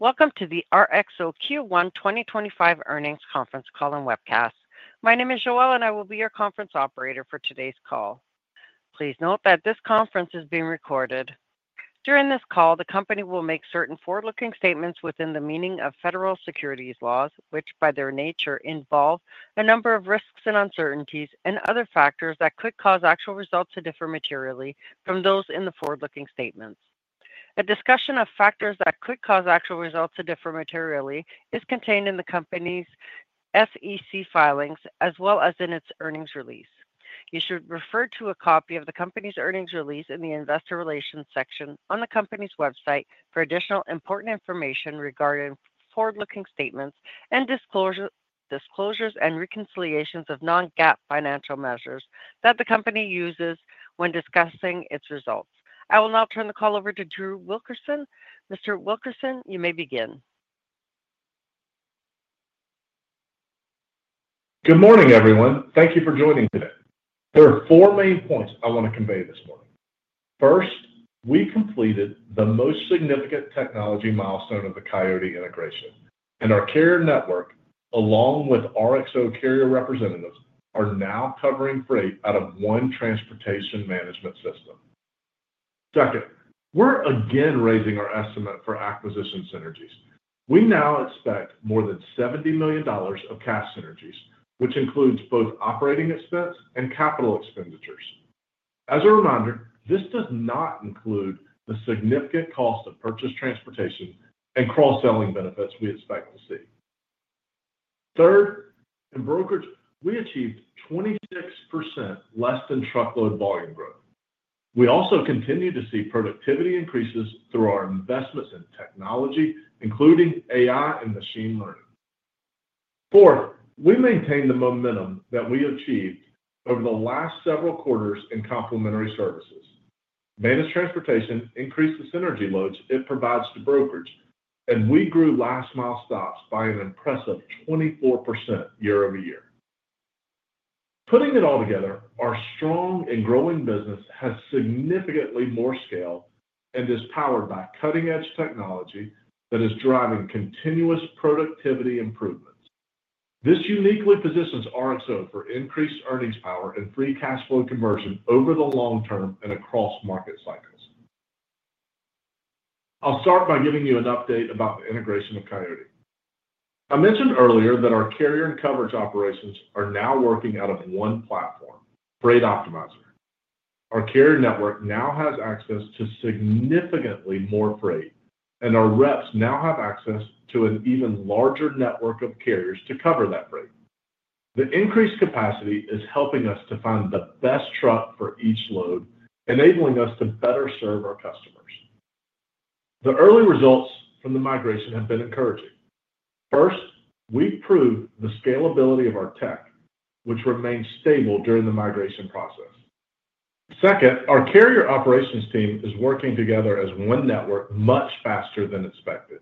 Welcome to the RXO Q1 2025 Earnings Conference Call and webcast. My name is Joelle, and I will be your conference operator for today's call. Please note that this conference is being recorded. During this call, the company will make certain forward-looking statements within the meaning of federal securities laws, which by their nature involve a number of risks and uncertainties and other factors that could cause actual results to differ materially from those in the forward-looking statements. A discussion of factors that could cause actual results to differ materially is contained in the company's SEC filings as well as in its earnings release. You should refer to a copy of the company's earnings release in the investor relations section on the company's website for additional important information regarding forward-looking statements and disclosures and reconciliations of non-GAAP financial measures that the company uses when discussing its results. I will now turn the call over to Drew Wilkerson. Mr. Wilkerson, you may begin. Good morning, everyone. Thank you for joining today. There are four main points I want to convey this morning. First, we completed the most significant technology milestone of the Coyote integration, and our carrier network, along with RXO carrier representatives, are now covering freight out of one transportation management system. Second, we're again raising our estimate for acquisition synergies. We now expect more than $70 million of cash synergies, which includes both operating expense and capital expenditures. As a reminder, this does not include the significant cost of purchased transportation and cross-selling benefits we expect to see. Third, in brokerage, we achieved 26% less-than-truckload volume growth. We also continue to see productivity increases through our investments in technology, including AI and machine learning. Fourth, we maintain the momentum that we achieved over the last several quarters in complementary services. Managed transportation increased the synergy loads it provides to brokerage, and we grew last-mile stops by an impressive 24% year-over-year. Putting it all together, our strong and growing business has significantly more scale and is powered by cutting-edge technology that is driving continuous productivity improvements. This uniquely positions RXO for increased earnings power and free cash flow conversion over the long term and across market cycles. I'll start by giving you an update about the integration of Coyote. I mentioned earlier that our carrier and coverage operations are now working out of one platform, Freight Optimizer. Our carrier network now has access to significantly more freight, and our reps now have access to an even larger network of carriers to cover that freight. The increased capacity is helping us to find the best truck for each load, enabling us to better serve our customers. The early results from the migration have been encouraging. First, we've proved the scalability of our tech, which remained stable during the migration process. Second, our carrier operations team is working together as one network much faster than expected.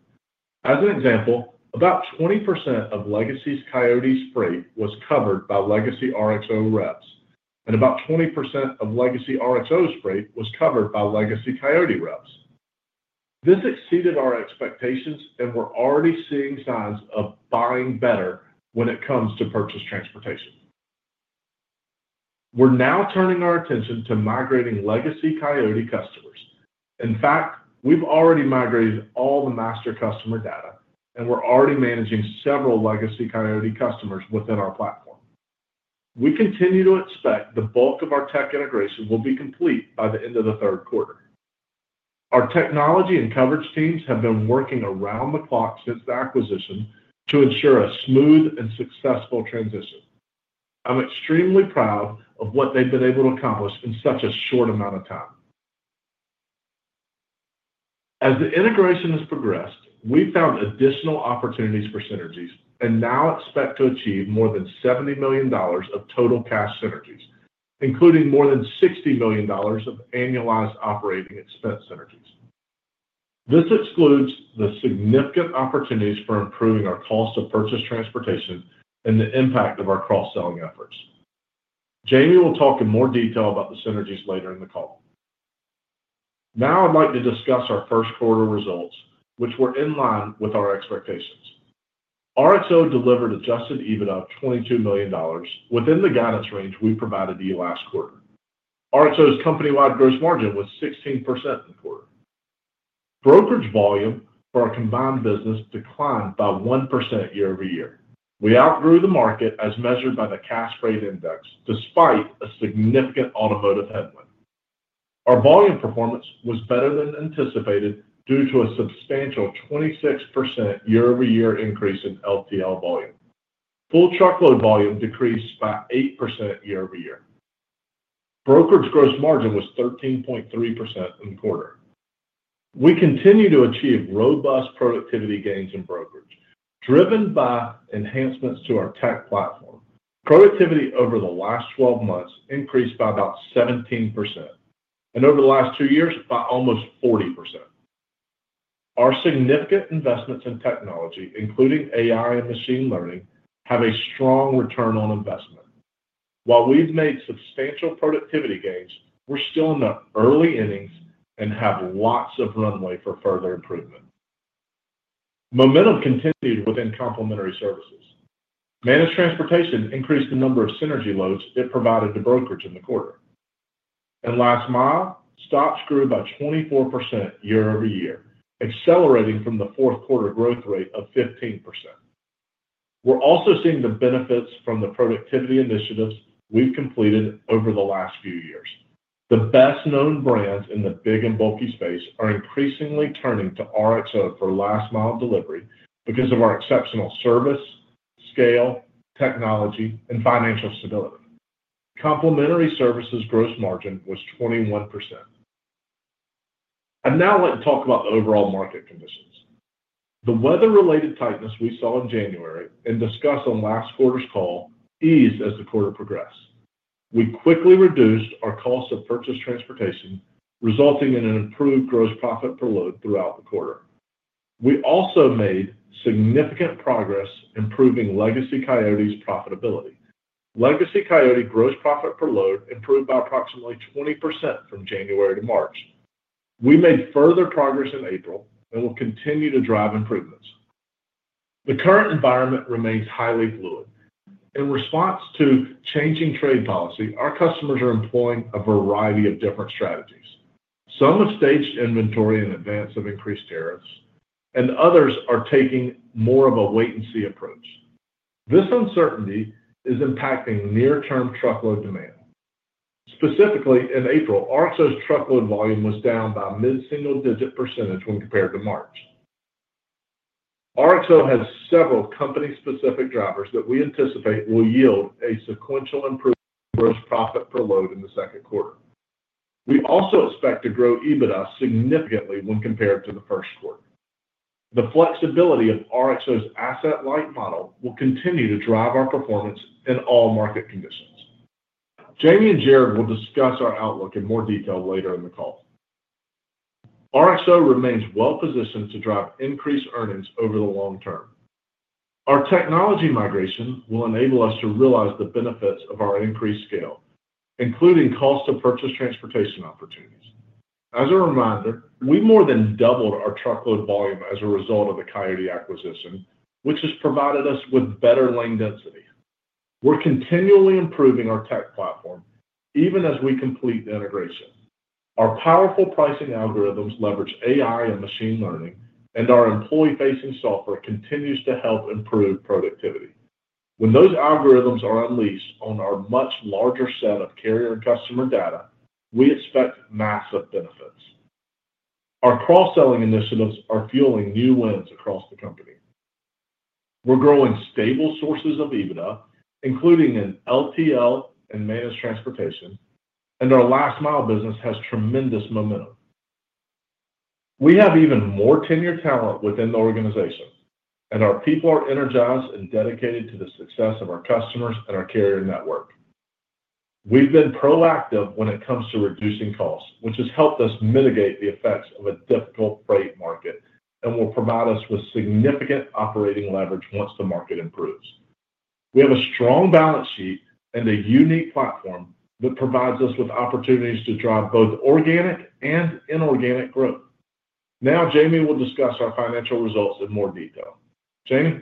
As an example, about 20% of Legacy Coyote's freight was covered by Legacy RXO reps, and about 20% of Legacy RXO's freight was covered by Legacy Coyote reps. This exceeded our expectations, and we're already seeing signs of buying better when it comes to purchased transportation. We're now turning our attention to migrating Legacy Coyote customers. In fact, we've already migrated all the master customer data, and we're already managing several Legacy Coyote customers within our platform. We continue to expect the bulk of our tech integration will be complete by the end of the third quarter. Our technology and coverage teams have been working around the clock since the acquisition to ensure a smooth and successful transition. I'm extremely proud of what they've been able to accomplish in such a short amount of time. As the integration has progressed, we found additional opportunities for synergies and now expect to achieve more than $70 million of total cash synergies, including more than $60 million of annualized operating expense synergies. This excludes the significant opportunities for improving our cost of purchased transportation and the impact of our cross-selling efforts. Jamie will talk in more detail about the synergies later in the call. Now I'd like to discuss our first quarter results, which were in line with our expectations. RXO delivered adjusted EBITDA of $22 million within the guidance range we provided to you last quarter. RXO's company-wide gross margin was 16% in the quarter. Brokerage volume for our combined business declined by 1% year-over-year. We outgrew the market as measured by the Cass Freight Index, despite a significant automotive headwind. Our volume performance was better than anticipated due to a substantial 26% year-over-year increase in LTL volume. Full truckload volume decreased by 8% year-over-year. Brokerage gross margin was 13.3% in the quarter. We continue to achieve robust productivity gains in brokerage, driven by enhancements to our tech platform. Productivity over the last 12 months increased by about 17%, and over the last two years by almost 40%. Our significant investments in technology, including AI and machine learning, have a strong return on investment. While we've made substantial productivity gains, we're still in the early innings and have lots of runway for further improvement. Momentum continued within complementary services. Managed transportation increased the number of synergy loads it provided to brokerage in the quarter. In last mile, stocks grew by 24% year-over-year, accelerating from the fourth quarter growth rate of 15%. We are also seeing the benefits from the productivity initiatives we have completed over the last few years. The best-known brands in the big and bulky space are increasingly turning to RXO for last mile delivery because of our exceptional service, scale, technology, and financial stability. Complementary services gross margin was 21%. I would now like to talk about the overall market conditions. The weather-related tightness we saw in January and discussed on last quarter's call eased as the quarter progressed. We quickly reduced our cost of purchased transportation, resulting in an improved gross profit per load throughout the quarter. We also made significant progress improving Legacy Coyote's profitability. Legacy Coyote gross profit per load improved by approximately 20% from January to March. We made further progress in April and will continue to drive improvements. The current environment remains highly fluid. In response to changing trade policy, our customers are employing a variety of different strategies. Some have staged inventory in advance of increased tariffs, and others are taking more of a wait-and-see approach. This uncertainty is impacting near-term truckload demand. Specifically, in April, RXO's truckload volume was down by a mid-single-digit percentage when compared to March. RXO has several company-specific drivers that we anticipate will yield a sequential improvement in gross profit per load in the second quarter. We also expect to grow EBITDA significantly when compared to the first quarter. The flexibility of RXO's asset-light model will continue to drive our performance in all market conditions. Jamie and Jared will discuss our outlook in more detail later in the call. RXO remains well-positioned to drive increased earnings over the long term. Our technology migration will enable us to realize the benefits of our increased scale, including cost of purchased transportation opportunities. As a reminder, we more than doubled our truckload volume as a result of the Coyote acquisition, which has provided us with better lane density. We're continually improving our tech platform even as we complete the integration. Our powerful pricing algorithms leverage AI and machine learning, and our employee-facing software continues to help improve productivity. When those algorithms are unleashed on our much larger set of carrier and customer data, we expect massive benefits. Our cross-selling initiatives are fueling new wins across the company. We're growing stable sources of EBITDA, including in LTL and managed transportation, and our last-mile business has tremendous momentum. We have even more tenured talent within the organization, and our people are energized and dedicated to the success of our customers and our carrier network. We've been proactive when it comes to reducing costs, which has helped us mitigate the effects of a difficult freight market and will provide us with significant operating leverage once the market improves. We have a strong balance sheet and a unique platform that provides us with opportunities to drive both organic and inorganic growth. Now, Jamie will discuss our financial results in more detail. Jamie?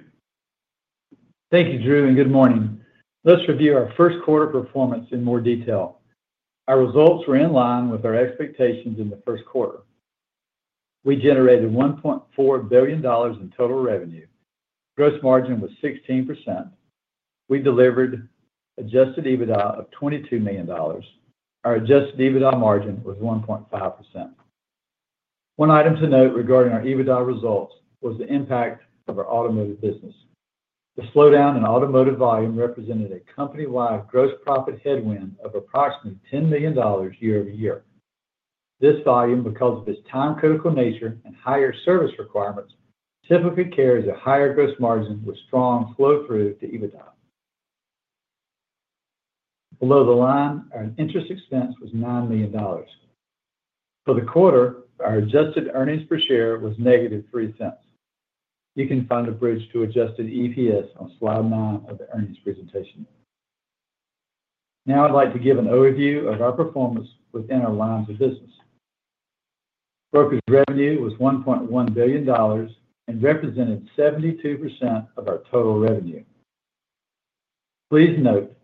Thank you, Drew, and good morning. Let's review our first quarter performance in more detail. Our results were in line with our expectations in the first quarter. We generated $1.4 billion in total revenue. Gross margin was 16%. We delivered adjusted EBITDA of $22 million. Our adjusted EBITDA margin was 1.5%. One item to note regarding our EBITDA results was the impact of our automotive business. The slowdown in automotive volume represented a company-wide gross profit headwind of approximately $10 million year-over-year. This volume, because of its time-critical nature and higher service requirements, typically carries a higher gross margin with strong flow-through to EBITDA. Below the line our interest expense was $9 million. For the quarter, our adjusted earnings per share was negative 3 cents. You can find a bridge to adjusted EPS on slide nine of the earnings presentation. Now I'd like to give an overview of our performance within our lines of business. Brokerage revenue was $1.1 billion and represented 72% of our total revenue. Please note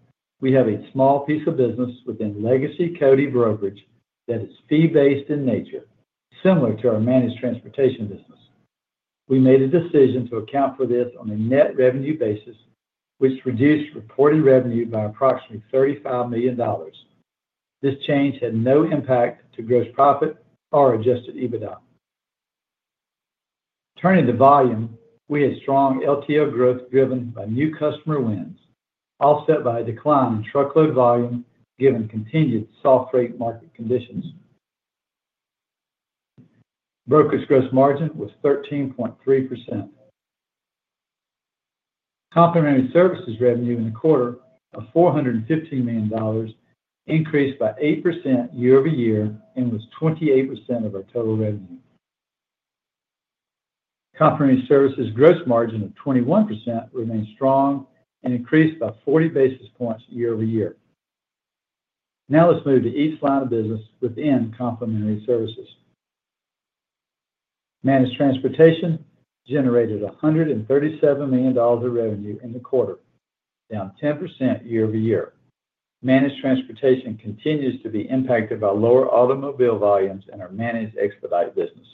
we have a small piece of business within Legacy Coyote brokerage that is fee-based in nature, similar to our managed transportation business. We made a decision to account for this on a net revenue basis, which reduced reported revenue by approximately $35 million. This change had no impact to gross profit or adjusted EBITDA. Turning to volume, we had strong LTL growth driven by new customer wins, offset by a decline in truckload volume given continued soft freight market conditions. Brokerage gross margin was 13.3%. Complimentary services revenue in the quarter of $415 million increased by 8% year-over-year and was 28% of our total revenue. Complimentary services gross margin of 21% remained strong and increased by 40 basis points year-over-year. Now let's move to each line of business within complementary services. Managed transportation generated $137 million of revenue in the quarter, down 10% year-over-year. Managed transportation continues to be impacted by lower automobile volumes in our managed expedite business.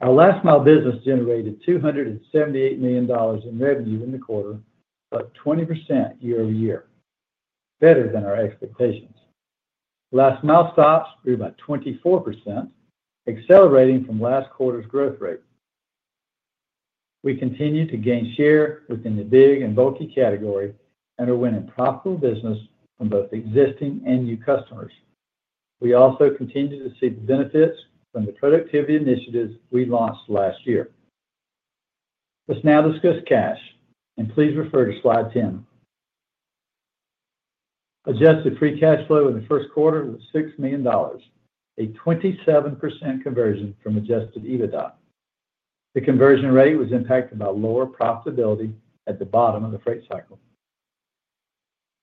Our last-mile business generated $278 million in revenue in the quarter, about 20% year-over-year, better than our expectations. Last-mile stops grew by 24%, accelerating from last quarter's growth rate. We continue to gain share within the big and bulky category and are winning profitable business from both existing and new customers. We also continue to see the benefits from the productivity initiatives we launched last year. Let's now discuss cash, and please refer to slide 10. Adjusted free cash flow in the first quarter was $6 million, a 27% conversion from adjusted EBITDA. The conversion rate was impacted by lower profitability at the bottom of the freight cycle.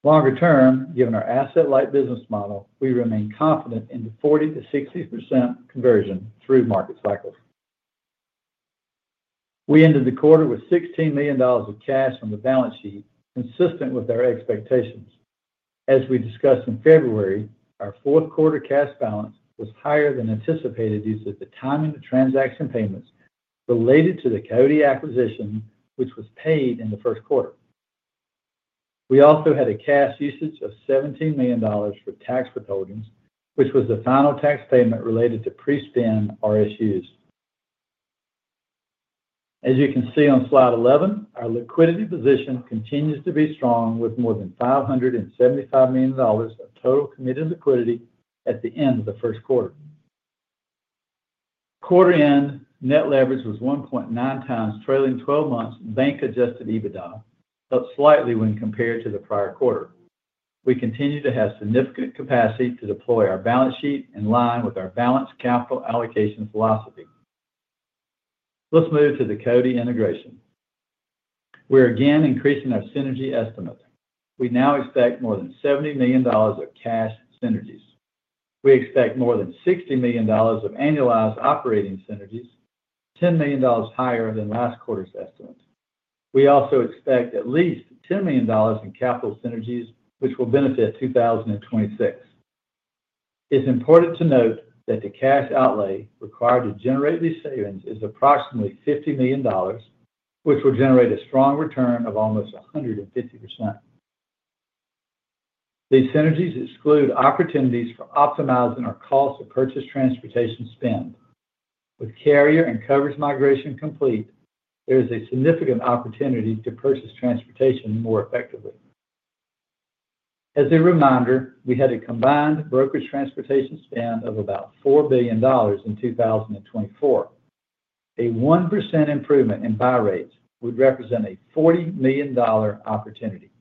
Longer term, given our asset-light business model, we remain confident in the 40%-60% conversion through market cycles. We ended the quarter with $16 million of cash on the balance sheet, consistent with our expectations. As we discussed in February, our fourth quarter cash balance was higher than anticipated due to the timing of transaction payments related to the Coyote acquisition, which was paid in the first quarter. We also had a cash usage of $17 million for tax withholdings, which was the final tax payment related to pre-spend RSUs. As you can see on slide 11, our liquidity position continues to be strong with more than $575 million of total committed liquidity at the end of the first quarter. Quarter-end net leverage was 1.9 times trailing 12 months bank-adjusted EBITDA, up slightly when compared to the prior quarter. We continue to have significant capacity to deploy our balance sheet in line with our balance capital allocation philosophy. Let's move to the Coyote integration. We're again increasing our synergy estimate. We now expect more than $70 million of cash synergies. We expect more than $60 million of annualized operating synergies, $10 million higher than last quarter's estimate. We also expect at least $10 million in capital synergies, which will benefit 2026. It's important to note that the cash outlay required to generate these savings is approximately $50 million, which will generate a strong return of almost 150%. These synergies exclude opportunities for optimizing our cost of purchased transportation spend. With carrier and coverage migration complete, there is a significant opportunity to purchase transportation more effectively. As a reminder, we had a combined brokerage transportation spend of about $4 billion in 2024. A 1% improvement in buy rates would represent a $40 million opportunity.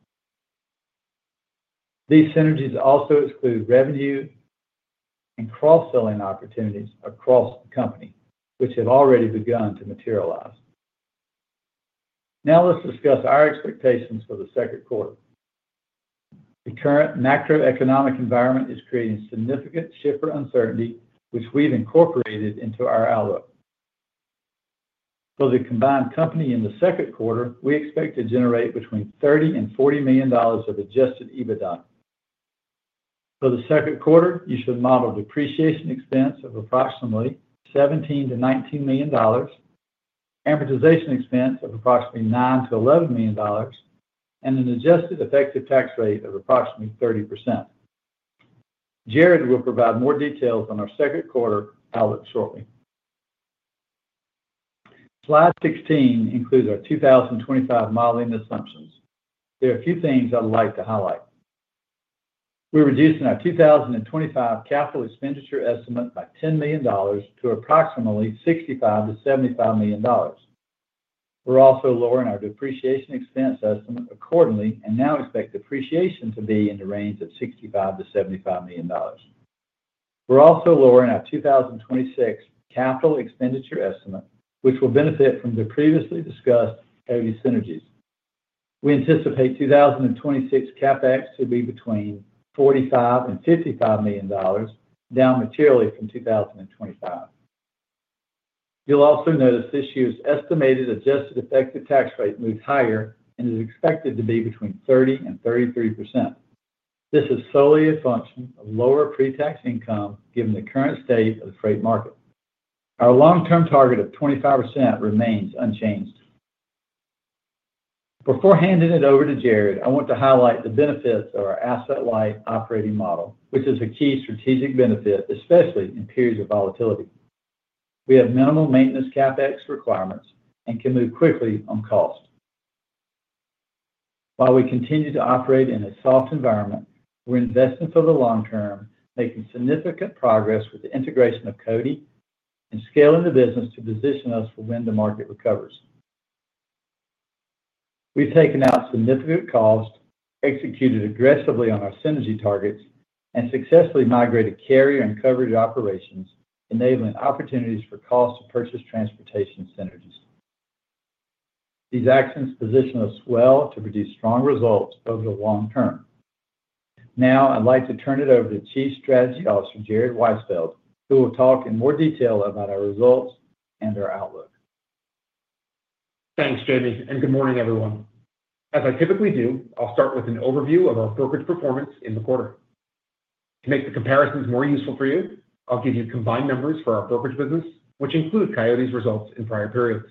These synergies also exclude revenue and cross-selling opportunities across the company, which have already begun to materialize. Now let's discuss our expectations for the second quarter. The current macroeconomic environment is creating significant shipper uncertainty, which we've incorporated into our outlook. For the combined company in the second quarter, we expect to generate between $30 million and $40 million of adjusted EBITDA. For the second quarter, you should model depreciation expense of approximately $17 million to $19 million, amortization expense of approximately $9 million to $11 million, and an adjusted effective tax rate of approximately 30%. Jared will provide more details on our second quarter outlook shortly. Slide 16 includes our 2025 modeling assumptions. There are a few things I'd like to highlight. We're reducing our 2025 capital expenditure estimate by $10 million to approximately $65 million-$75 million. We're also lowering our depreciation expense estimate accordingly and now expect depreciation to be in the range of $65 million -$75 million. We're also lowering our 2026 capital expenditure estimate, which will benefit from the previously discussed Coyote synergies. We anticipate 2026 CapEx to be between $45-$55 million, down materially from 2025. You'll also notice this year's estimated adjusted effective tax rate moved higher and is expected to be between 30%-33%. This is solely a function of lower pre-tax income given the current state of the freight market. Our long-term target of 25% remains unchanged. Before handing it over to Jared, I want to highlight the benefits of our asset-light operating model, which is a key strategic benefit, especially in periods of volatility. We have minimal maintenance CapEx requirements and can move quickly on cost. While we continue to operate in a soft environment, we're investing for the long term, making significant progress with the integration of Coyote and scaling the business to position us for when the market recovers. We've taken out significant cost, executed aggressively on our synergy targets, and successfully migrated carrier and coverage operations, enabling opportunities for cost of purchased transportation synergies. These actions position us well to produce strong results over the long term. Now I'd like to turn it over to Chief Strategy Officer Jared Weisfeld, who will talk in more detail about our results and our outlook. Thanks, Jamie, and good morning, everyone. As I typically do, I'll start with an overview of our brokerage performance in the quarter. To make the comparisons more useful for you, I'll give you combined numbers for our brokerage business, which include Coyote's results in prior periods.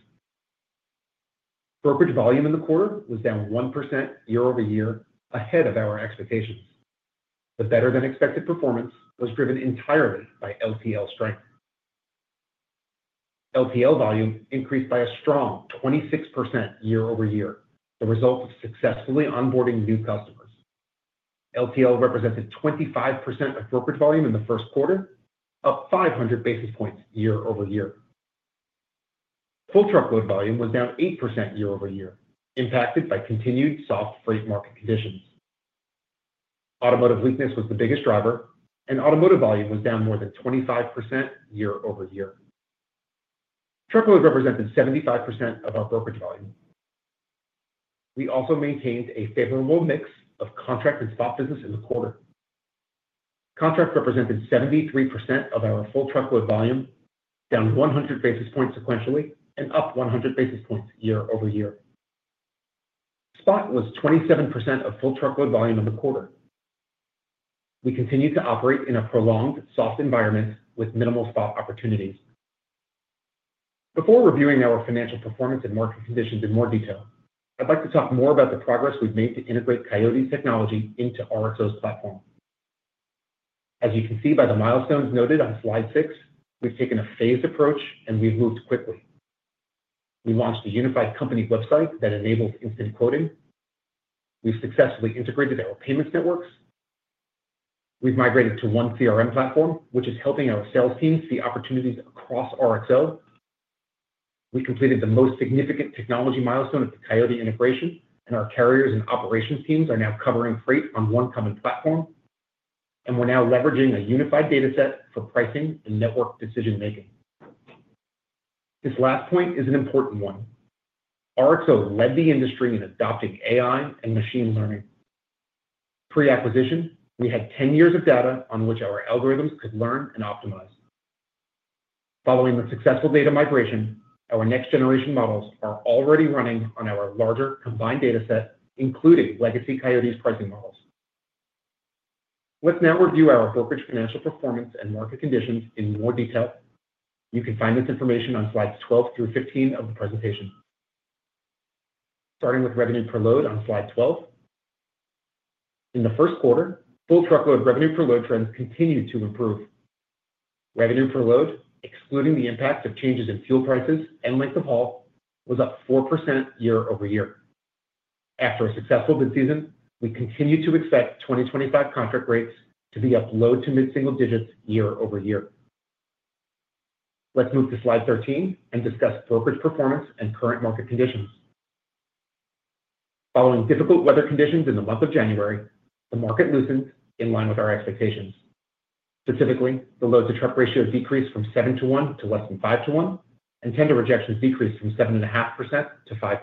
Brokerage volume in the quarter was down 1% year-over-year, ahead of our expectations. The better-than-expected performance was driven entirely by LTL strength. LTL volume increased by a strong 26% year-over-year, the result of successfully onboarding new customers. LTL represented 25% of brokerage volume in the first quarter, up 500 basis points year-over-year. Full truckload volume was down 8% year-over-year, impacted by continued soft freight market conditions. Automotive weakness was the biggest driver, and automotive volume was down more than 25% year-over-year. Truckload represented 75% of our brokerage volume. We also maintained a favorable mix of contract and spot business in the quarter. Contract represented 73% of our full truckload volume, down 100 basis points sequentially and up 100 basis points year-over-year. Spot was 27% of full truckload volume in the quarter. We continue to operate in a prolonged soft environment with minimal spot opportunities. Before reviewing our financial performance and market conditions in more detail, I'd like to talk more about the progress we've made to integrate Coyote's technology into RXO's platform. As you can see by the milestones noted on slide six, we've taken a phased approach and we've moved quickly. We launched a unified company website that enables instant quoting. We've successfully integrated our payments networks. We've migrated to one CRM platform, which is helping our sales teams see opportunities across RXO. We completed the most significant technology milestone of the Coyote integration, and our carriers and operations teams are now covering freight on one common platform. We're now leveraging a unified data set for pricing and network decision-making. This last point is an important one. RXO led the industry in adopting AI and machine learning. Pre-acquisition, we had 10 years of data on which our algorithms could learn and optimize. Following the successful data migration, our next-generation models are already running on our larger combined data set, including Legacy Coyote's pricing models. Let's now review our brokerage financial performance and market conditions in more detail. You can find this information on slides 12-15 of the presentation. Starting with revenue per load on slide 12. In the first quarter, full truckload revenue per load trends continued to improve. Revenue per load, excluding the impact of changes in fuel prices and length of haul, was up 4% year-over-year. After a successful bid season, we continue to expect 2025 contract rates to be up low to mid-single digits year-over-year. Let's move to slide 13 and discuss brokerage performance and current market conditions. Following difficult weather conditions in the month of January, the market loosened in line with our expectations. Specifically, the load-to-truck ratio decreased from 7-1 to less than 5-1, and tender rejections decreased from 7.5% to 5%.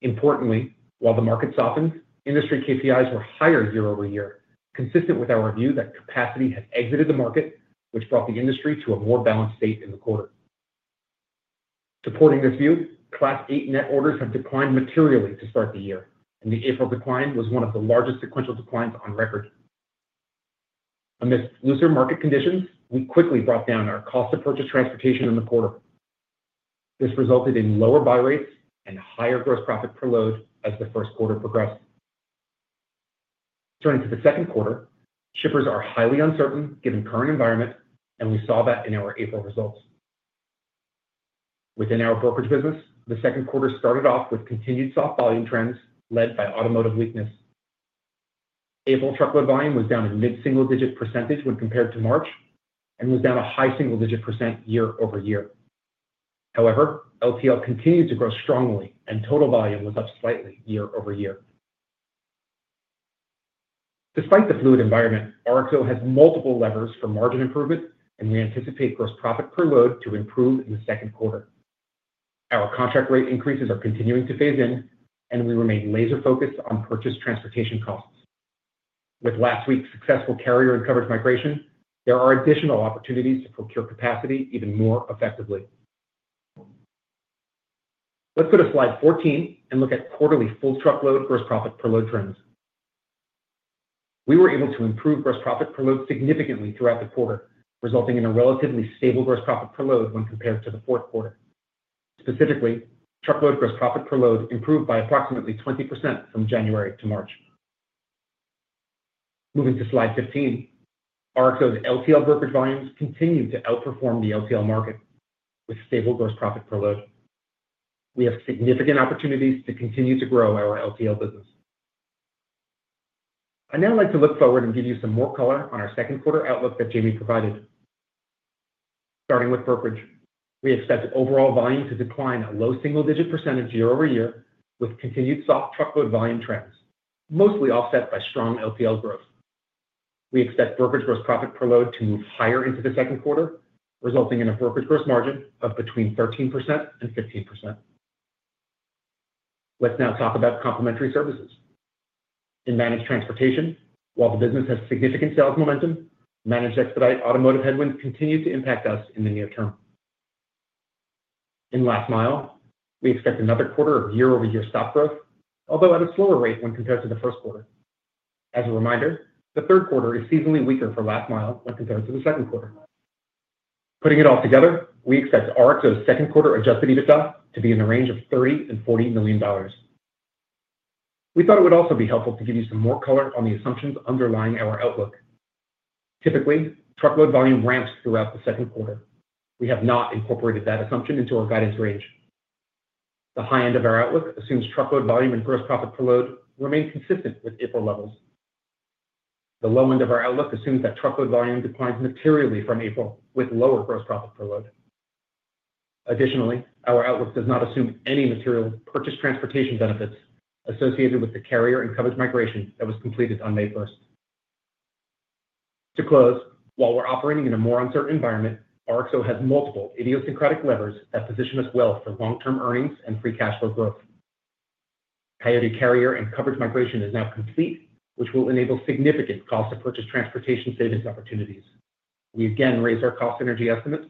Importantly, while the market softened, industry KPIs were higher year-over-year, consistent with our view that capacity had exited the market, which brought the industry to a more balanced state in the quarter. Supporting this view, class eight net orders have declined materially to start the year, and the April decline was one of the largest sequential declines on record. Amidst looser market conditions, we quickly brought down our cost of purchased transportation in the quarter. This resulted in lower buy rates and higher gross profit per load as the first quarter progressed. Turning to the second quarter, shippers are highly uncertain given the current environment, and we saw that in our April results. Within our brokerage business, the second quarter started off with continued soft volume trends led by automotive weakness. April truckload volume was down a mid-single digit percentage when compared to March and was down a high single digit % year-over-year. However, LTL continued to grow strongly, and total volume was up slightly year-over-year. Despite the fluid environment, RXO has multiple levers for margin improvement, and we anticipate gross profit per load to improve in the second quarter. Our contract rate increases are continuing to phase in, and we remain laser-focused on purchased transportation costs. With last week's successful carrier and coverage migration, there are additional opportunities to procure capacity even more effectively. Let's go to slide 14 and look at quarterly full truckload gross profit per load trends. We were able to improve gross profit per load significantly throughout the quarter, resulting in a relatively stable gross profit per load when compared to the fourth quarter. Specifically, truckload gross profit per load improved by approximately 20% from January to March. Moving to slide 15, RXO's LTL brokerage volumes continue to outperform the LTL market with stable gross profit per load. We have significant opportunities to continue to grow our LTL business. I'd now like to look forward and give you some more color on our second quarter outlook that Jamie provided. Starting with brokerage, we expect overall volume to decline a low single digit percentage year-over-year with continued soft truckload volume trends, mostly offset by strong LTL growth. We expect brokerage gross profit per load to move higher into the second quarter, resulting in a brokerage gross margin of between 13% and 15%. Let's now talk about complementary services. In managed transportation, while the business has significant sales momentum, managed expedite automotive headwinds continue to impact us in the near term. In last mile, we expect another quarter of year-over-year stock growth, although at a slower rate when compared to the first quarter. As a reminder, the third quarter is seasonally weaker for last mile when compared to the second quarter. Putting it all together, we expect RXO's second quarter adjusted EBITDA to be in the range of $30 mill9on -$40 million. We thought it would also be helpful to give you some more color on the assumptions underlying our outlook. Typically, truckload volume ramps throughout the second quarter. We have not incorporated that assumption into our guidance range. The high end of our outlook assumes truckload volume and gross profit per load remain consistent with April levels. The low end of our outlook assumes that truckload volume declines materially from April with lower gross profit per load. Additionally, our outlook does not assume any material purchased transportation benefits associated with the carrier and coverage migration that was completed on May 1. To close, while we're operating in a more uncertain environment, RXO has multiple idiosyncratic levers that position us well for long-term earnings and free cash flow growth. Coyote carrier and coverage migration is now complete, which will enable significant cost of purchased transportation savings opportunities. We again raise our cost synergy estimate.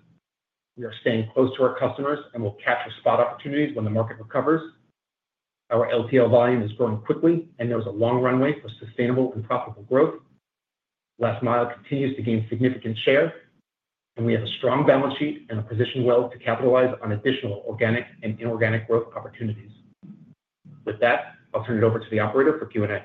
We are staying close to our customers and will capture spot opportunities when the market recovers. Our LTL volume is growing quickly and knows a long runway for sustainable and profitable growth. Last mile continues to gain significant share, and we have a strong balance sheet and are positioned well to capitalize on additional organic and inorganic growth opportunities. With that, I'll turn it over to the operator for Q&A.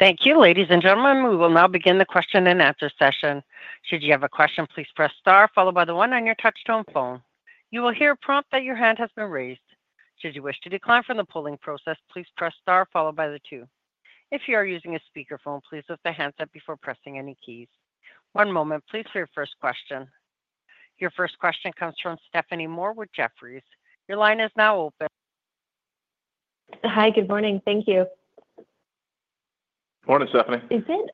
Thank you, ladies and gentlemen. We will now begin the question and answer session. Should you have a question, please press star, followed by the one on your touch-tone phone. You will hear a prompt that your hand has been raised. Should you wish to decline from the polling process, please press star, followed by the two. If you are using a speakerphone, please lift the handset before pressing any keys. One moment, please, for your first question. Your first question comes from Stephanie Moore with Jefferies. Your line is now open. Hi, good morning. Thank you. Morning, Stephanie. Is it?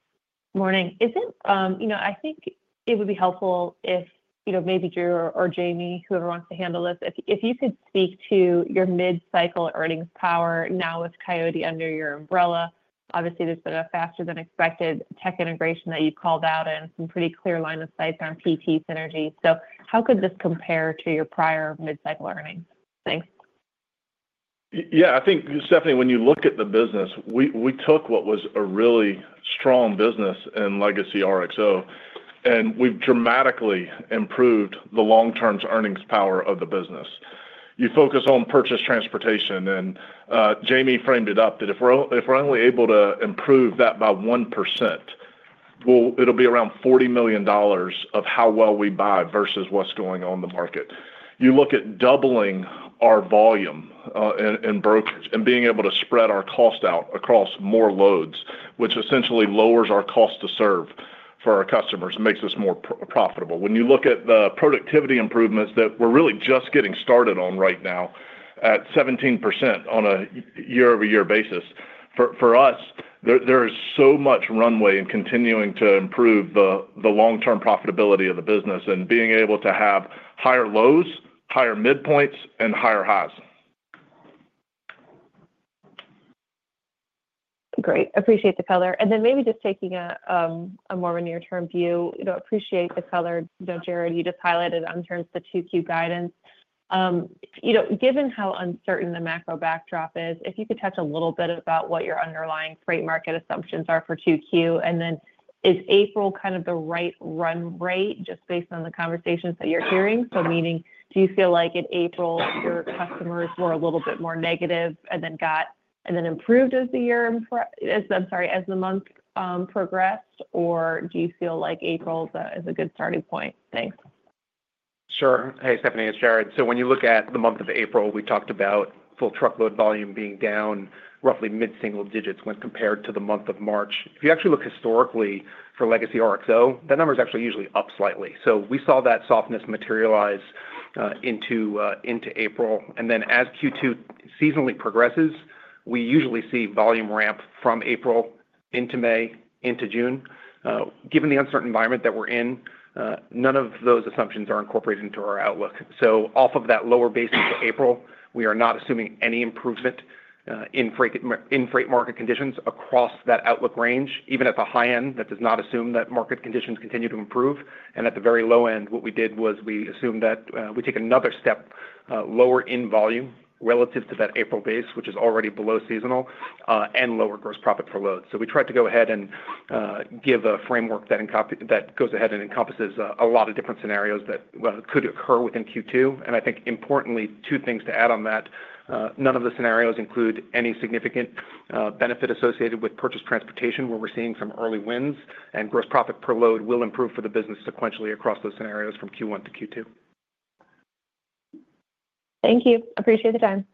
Morning. Is it? You know, I think it would be helpful if, you know, maybe Drew or Jamie, whoever wants to handle this, if you could speak to your mid-cycle earnings power now with Coyote under your umbrella. Obviously, there's been a faster-than-expected tech integration that you've called out and some pretty clear line of sight on PT synergy. So how could this compare to your prior mid-cycle earnings? Thanks. Yeah, I think, Stephanie, when you look at the business, we took what was a really strong business in Legacy RXO, and we've dramatically improved the long-term earnings power of the business. You focus on purchased transportation, and Jamie framed it up that if we're only able to improve that by 1%, it'll be around $40 million of how well we buy versus what's going on in the market. You look at doubling our volume in brokers and being able to spread our cost out across more loads, which essentially lowers our cost to serve for our customers and makes us more profitable. When you look at the productivity improvements that we're really just getting started on right now at 17% on a year-over-year basis, for us, there is so much runway in continuing to improve the long-term profitability of the business and being able to have higher lows, higher midpoints, and higher highs. Great. Appreciate the color. Maybe just taking a more near-term view, you know, appreciate the color. You know, Jared, you just highlighted on terms the 2Q guidance. Given how uncertain the macro backdrop is, if you could touch a little bit about what your underlying freight market assumptions are for 2Q, and then is April kind of the right run rate just based on the conversations that you're hearing? Meaning, do you feel like in April your customers were a little bit more negative and then improved as the year—I'm sorry—as the month progressed, or do you feel like April is a good starting point? Thanks. Sure. Hey, Stephanie, it's Jared. When you look at the month of April, we talked about full truckload volume being down roughly mid-single digits when compared to the month of March. If you actually look historically for Legacy RXO, that number is actually usually up slightly. We saw that softness materialize into April. As Q2 seasonally progresses, we usually see volume ramp from April into May into June. Given the uncertain environment that we're in, none of those assumptions are incorporated into our outlook. Off of that lower base into April, we are not assuming any improvement in freight market conditions across that outlook range, even at the high end. That does not assume that market conditions continue to improve. At the very low end, what we did was we assumed that we take another step lower in volume relative to that April base, which is already below seasonal, and lower gross profit per load. We tried to go ahead and give a framework that goes ahead and encompasses a lot of different scenarios that could occur within Q2. I think, importantly, two things to add on that. None of the scenarios include any significant benefit associated with purchased transportation, where we're seeing some early wins, and gross profit per load will improve for the business sequentially across those scenarios from Q1 to Q2. Thank you. Appreciate the time.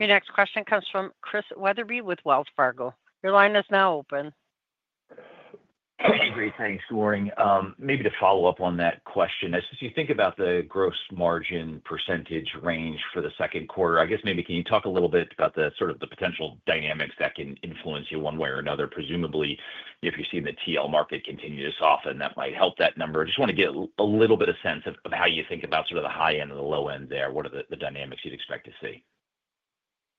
Your next question comes from Chris Wetherbee with Wells Fargo. Your line is now open. Great. Thanks for warning. Maybe to follow up on that question, as you think about the gross margin percentage range for the second quarter, I guess maybe can you talk a little bit about the sort of the potential dynamics that can influence you one way or another? Presumably, if you're seeing the TL market continue to soften, that might help that number. I just want to get a little bit of sense of how you think about sort of the high end and the low end there. What are the dynamics you'd expect to see?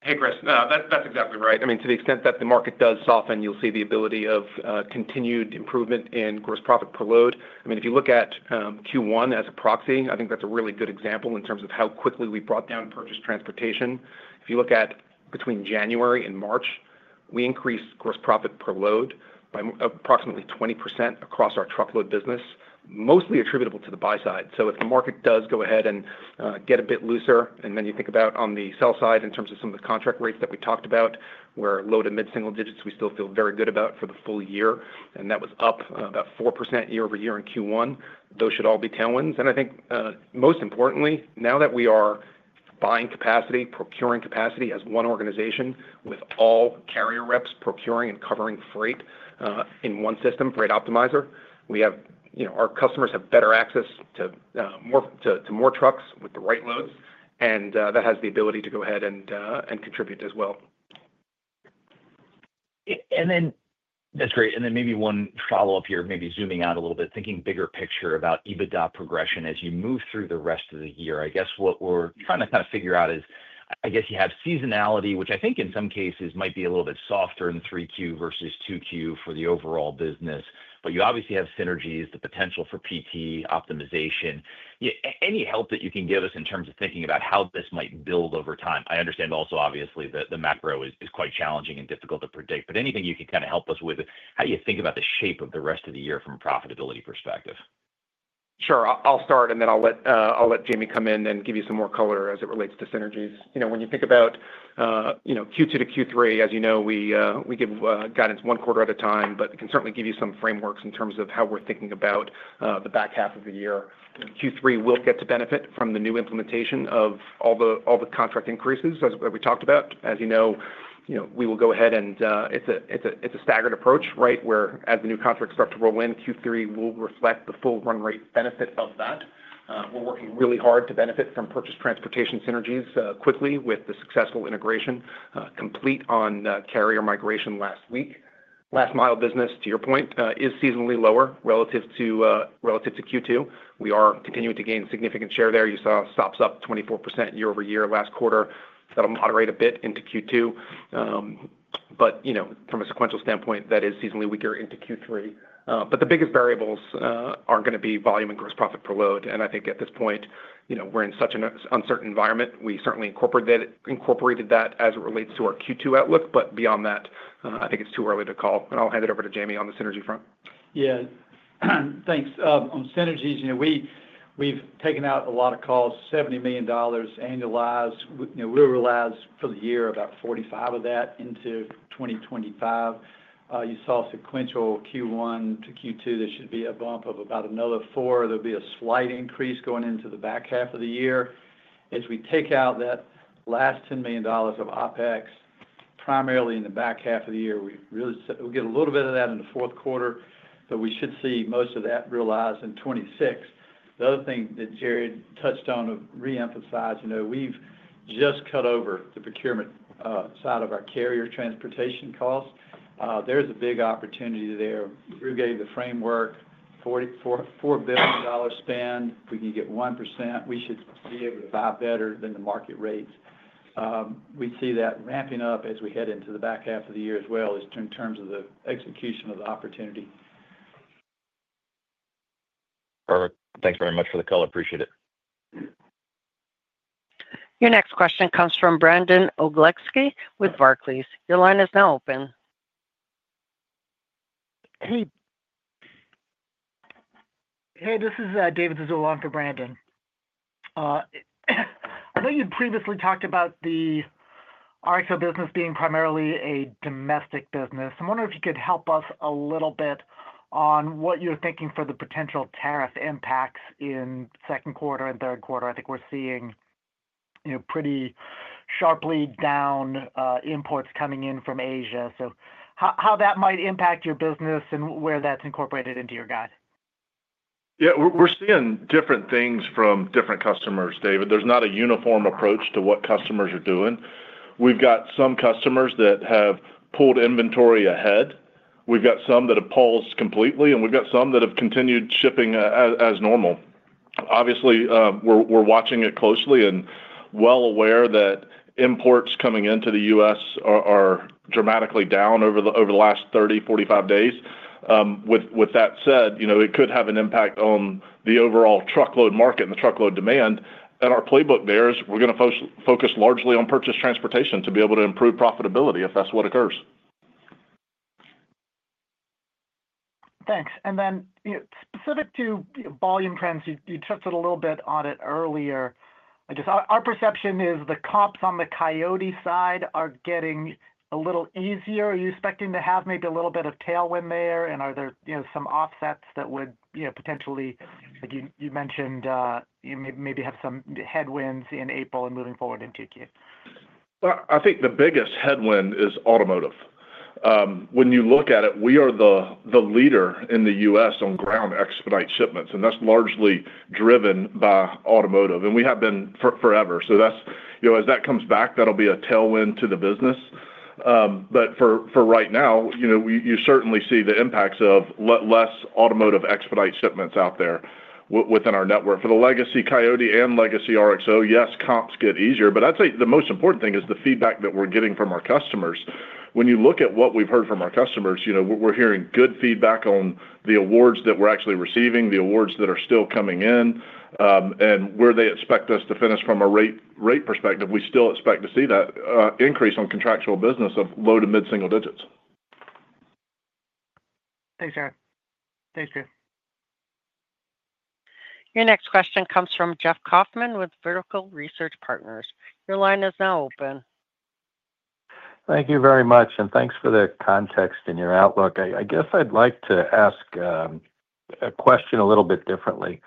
Hey, Chris. That's exactly right. I mean, to the extent that the market does soften, you'll see the ability of continued improvement in gross profit per load. I mean, if you look at Q1 as a proxy, I think that's a really good example in terms of how quickly we brought down purchased transportation. If you look at between January and March, we increased gross profit per load by approximately 20% across our truckload business, mostly attributable to the buy side. If the market does go ahead and get a bit looser, and then you think about on the sell side in terms of some of the contract rates that we talked about, where low to mid-single digits, we still feel very good about for the full year, and that was up about 4% year-over-year in Q1, those should all be tailwinds. I think most importantly, now that we are buying capacity, procuring capacity as one organization with all carrier reps procuring and covering freight in one system, Freight Optimizer, we have, you know, our customers have better access to more trucks with the right loads, and that has the ability to go ahead and contribute as well. That is great. Maybe one follow-up here, maybe zooming out a little bit, thinking bigger picture about EBITDA progression as you move through the rest of the year. I guess what we are trying to kind of figure out is, I guess you have seasonality, which I think in some cases might be a little bit softer in 3Q versus 2Q for the overall business, but you obviously have synergies, the potential for PT optimization. Any help that you can give us in terms of thinking about how this might build over time? I understand also, obviously, that the macro is quite challenging and difficult to predict, but anything you can kind of help us with, how do you think about the shape of the rest of the year from a profitability perspective? Sure. I'll start, and then I'll let Jamie come in and give you some more color as it relates to synergies. You know, when you think about, you know, Q2 to Q3, as you know, we give guidance one quarter at a time, but can certainly give you some frameworks in terms of how we're thinking about the back half of the year. Q3 will get to benefit from the new implementation of all the contract increases that we talked about. As you know, you know, we will go ahead and it's a staggered approach, right, where as the new contracts start to roll in, Q3 will reflect the full run rate benefit of that. We're working really hard to benefit from purchased transportation synergies quickly with the successful integration complete on carrier migration last week. Last mile business, to your point, is seasonally lower relative to Q2. We are continuing to gain significant share there. You saw stops up 24% year-over-year last quarter. That will moderate a bit into Q2. You know, from a sequential standpoint, that is seasonally weaker into Q3. The biggest variables are going to be volume and gross profit per load. I think at this point, you know, we are in such an uncertain environment. We certainly incorporated that as it relates to our Q2 outlook. Beyond that, I think it is too early to call. I will hand it over to Jamie on the synergy front. Yeah. Thanks. On synergies, you know, we've taken out a lot of costs, $70 million annualized. You know, we realized for the year about $45 million of that into 2025. You saw sequential Q1 to Q2, there should be a bump of about another $4 million. There'll be a slight increase going into the back half of the year. As we take out that last $10 million of OpEx, primarily in the back half of the year, we really will get a little bit of that in the fourth quarter, but we should see most of that realized in 2026. The other thing that Jared touched on, I'll reemphasize, you know, we've just cut over the procurement side of our carrier transportation costs. There's a big opportunity there. Drew gave the framework, $4 billion spend, we can get 1%. We should be able to buy better than the market rates. We see that ramping up as we head into the back half of the year as well in terms of the execution of the opportunity. Perfect. Thanks very much for the color. Appreciate it. Your next question comes from Brandon Oleksy with Barclays. Your line is now open. Hey. Hey, this is David Zazula for Brandon. I know you'd previously talked about the RXO business being primarily a domestic business. I'm wondering if you could help us a little bit on what you're thinking for the potential tariff impacts in second quarter and third quarter. I think we're seeing, you know, pretty sharply down imports coming in from Asia. How that might impact your business and where that's incorporated into your guide? Yeah. We're seeing different things from different customers, David. There's not a uniform approach to what customers are doing. We've got some customers that have pulled inventory ahead. We've got some that have pulled completely, and we've got some that have continued shipping as normal. Obviously, we're watching it closely and well aware that imports coming into the U.S. are dramatically down over the last 30-45 days. With that said, you know, it could have an impact on the overall truckload market and the truckload demand. Our playbook there is we're going to focus largely on purchased transportation to be able to improve profitability if that's what occurs. Thanks. And then, you know, specific to volume trends, you touched on a little bit on it earlier. I guess our perception is the comps on the Coyote side are getting a little easier. Are you expecting to have maybe a little bit of tailwind there? And are there, you know, some offsets that would, you know, potentially, like you mentioned, you maybe have some headwinds in April and moving forward into Q2? I think the biggest headwind is automotive. When you look at it, we are the leader in the U.S. on ground expedite shipments, and that's largely driven by automotive. And we have been forever. So that's, you know, as that comes back, that'll be a tailwind to the business. For right now, you know, you certainly see the impacts of less automotive expedite shipments out there within our network. For the legacy Coyote and legacy RXO, yes, comps get easier, but I'd say the most important thing is the feedback that we're getting from our customers. When you look at what we've heard from our customers, you know, we're hearing good feedback on the awards that we're actually receiving, the awards that are still coming in, and where they expect us to finish from a rate perspective. We still expect to see that increase on contractual business of low to mid-single digits. Thanks, Jared. Thanks, Drew. Your next question comes from Jeff Kauffman with Vertical Research Partners. Your line is now open. Thank you very much, and thanks for the context and your outlook. I guess I'd like to ask a question a little bit differently.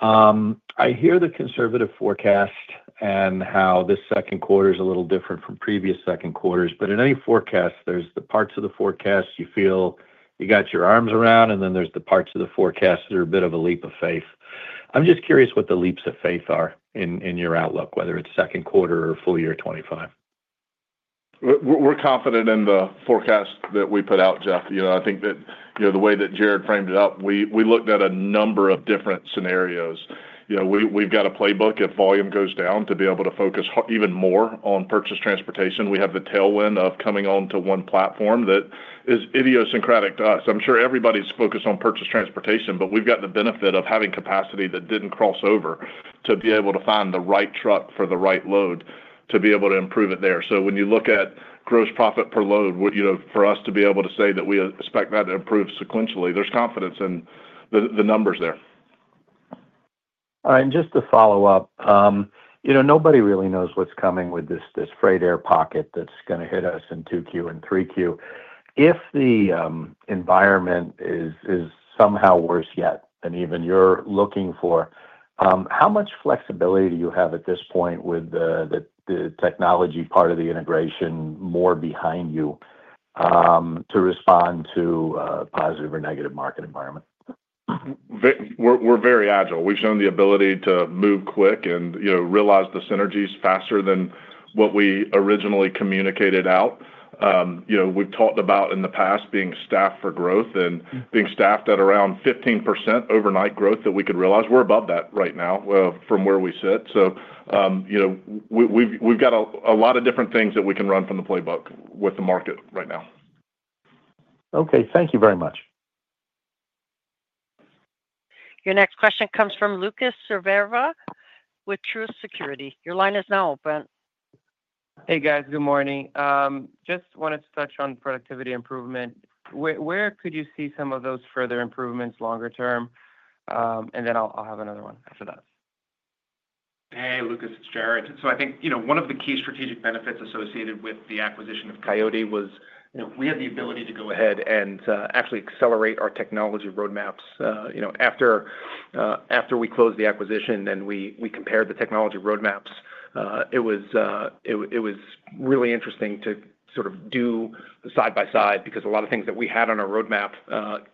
I hear the conservative forecast and how this second quarter is a little different from previous second quarters, but in any forecast, there's the parts of the forecast you feel you got your arms around, and then there's the parts of the forecast that are a bit of a leap of faith. I'm just curious what the leaps of faith are in your outlook, whether it's second quarter or full year 2025. We're confident in the forecast that we put out, Jeff. You know, I think that, you know, the way that Jared framed it up, we looked at a number of different scenarios. You know, we've got a playbook. If volume goes down, to be able to focus even more on purchased transportation, we have the tailwind of coming on to one platform that is idiosyncratic to us. I'm sure everybody's focused on purchased transportation, but we've got the benefit of having capacity that didn't cross over to be able to find the right truck for the right load to be able to improve it there. When you look at gross profit per load, you know, for us to be able to say that we expect that to improve sequentially, there's confidence in the numbers there. All right. And just to follow up, you know, nobody really knows what's coming with this freight air pocket that's going to hit us in 2Q and 3Q. If the environment is somehow worse yet than even you're looking for, how much flexibility do you have at this point with the technology part of the integration more behind you to respond to a positive or negative market environment? We're very agile. We've shown the ability to move quick and, you know, realize the synergies faster than what we originally communicated out. You know, we've talked about in the past being staffed for growth and being staffed at around 15% overnight growth that we could realize. We're above that right now from where we sit. You know, we've got a lot of different things that we can run from the playbook with the market right now. Okay. Thank you very much. Your next question comes from Lucas Servera with Truist Securities. Your line is now open. Hey, guys. Good morning. Just wanted to touch on productivity improvement. Where could you see some of those further improvements longer term? And then I'll have another one after that. Hey, Lucas. It's Jared. I think, you know, one of the key strategic benefits associated with the acquisition of Coyote was, you know, we had the ability to go ahead and actually accelerate our technology roadmaps. You know, after we closed the acquisition and we compared the technology roadmaps, it was really interesting to sort of do side by side because a lot of things that we had on our roadmap,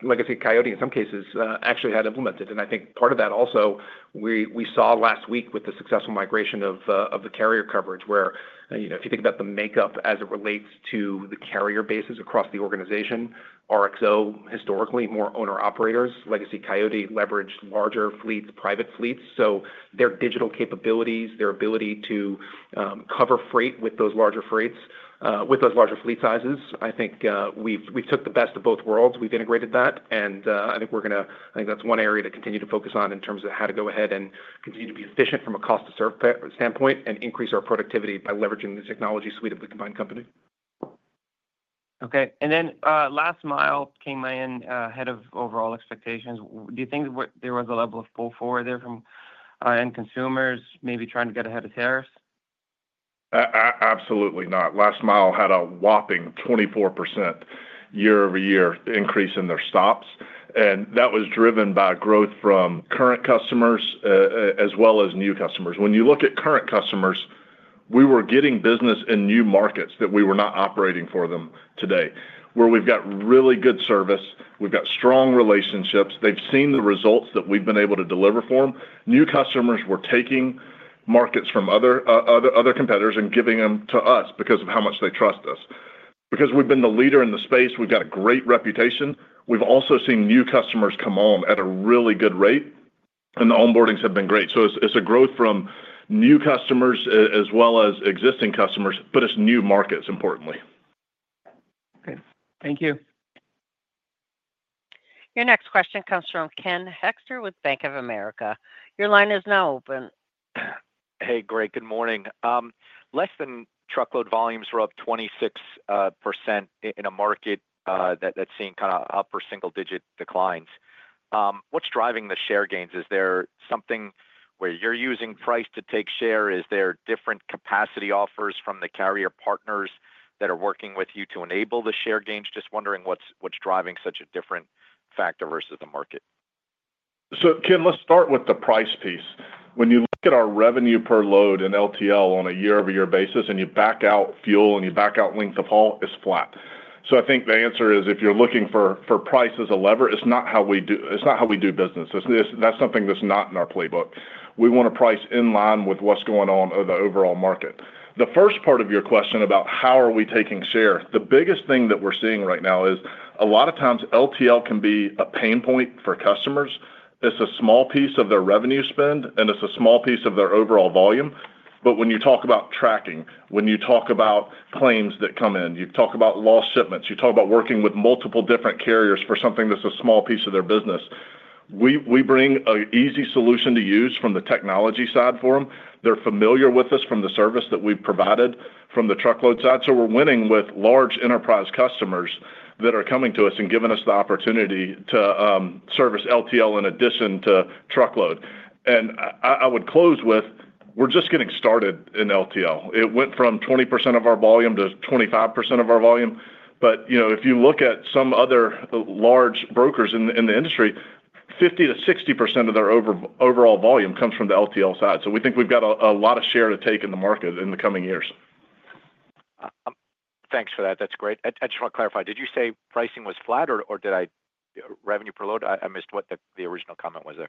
Legacy Coyote in some cases, actually had implemented. I think part of that also we saw last week with the successful migration of the carrier coverage where, you know, if you think about the makeup as it relates to the carrier bases across the organization, RXO historically more owner-operators. Legacy Coyote leveraged larger fleets, private fleets. Their digital capabilities, their ability to cover freight with those larger freights, with those larger fleet sizes, I think we took the best of both worlds. We have integrated that, and I think we are going to, I think that is one area to continue to focus on in terms of how to go ahead and continue to be efficient from a cost-to-serve standpoint and increase our productivity by leveraging the technology suite of the combined company. Okay. Last mile came in ahead of overall expectations. Do you think there was a level of pull forward there from end consumers maybe trying to get ahead of tariffs? Absolutely not. Last mile had a whopping 24% year-over-year increase in their stops. That was driven by growth from current customers as well as new customers. When you look at current customers, we were getting business in new markets that we were not operating for them today where we've got really good service. We've got strong relationships. They've seen the results that we've been able to deliver for them. New customers were taking markets from other competitors and giving them to us because of how much they trust us. Because we've been the leader in the space, we've got a great reputation. We've also seen new customers come on at a really good rate, and the onboardings have been great. It is a growth from new customers as well as existing customers, but it's new markets importantly. Okay. Thank you. Your next question comes from Ken Hoexter with Bank of America. Your line is now open. Hey, Greg. Good morning. Less-than-truckload volumes were up 26% in a market that's seeing kind of upper single-digit declines. What's driving the share gains? Is there something where you're using price to take share? Is there different capacity offers from the carrier partners that are working with you to enable the share gains? Just wondering what's driving such a different factor versus the market. Ken, let's start with the price piece. When you look at our revenue per load in LTL on a year-over-year basis and you back out fuel and you back out length of haul, it's flat. I think the answer is if you're looking for price as a lever, it's not how we do, it's not how we do business. That's something that's not in our playbook. We want to price in line with what's going on in the overall market. The first part of your question about how are we taking share, the biggest thing that we're seeing right now is a lot of times LTL can be a pain point for customers. It's a small piece of their revenue spend, and it's a small piece of their overall volume. When you talk about tracking, when you talk about claims that come in, you talk about lost shipments, you talk about working with multiple different carriers for something that's a small piece of their business, we bring an easy solution to use from the technology side for them. They're familiar with us from the service that we've provided from the truckload side. We're winning with large enterprise customers that are coming to us and giving us the opportunity to service LTL in addition to truckload. I would close with we're just getting started in LTL. It went from 20% of our volume to 25% of our volume. You know, if you look at some other large brokers in the industry, 50-60% of their overall volume comes from the LTL side. We think we've got a lot of share to take in the market in the coming years. Thanks for that. That's great. I just want to clarify. Did you say pricing was flat or did I revenue per load? I missed what the original comment was there.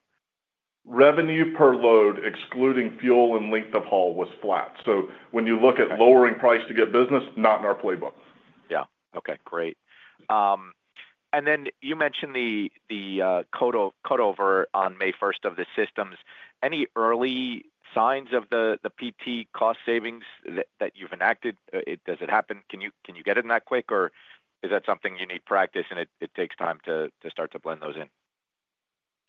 Revenue per load, excluding fuel and length of haul, was flat. When you look at lowering price to get business, not in our playbook. Yeah. Okay. Great. You mentioned the cutover on May 1 of the systems. Any early signs of the PT cost savings that you've enacted? Does it happen? Can you get it in that quick, or is that something you need practice and it takes time to start to blend those in?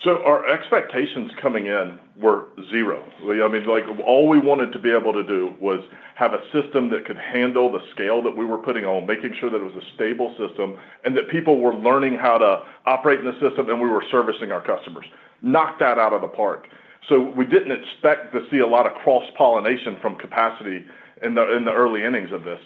Our expectations coming in were zero. I mean, like all we wanted to be able to do was have a system that could handle the scale that we were putting on, making sure that it was a stable system and that people were learning how to operate in the system and we were servicing our customers. Knock that out of the park. We did not expect to see a lot of cross-pollination from capacity in the early innings of this.